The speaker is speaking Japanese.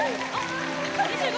２５！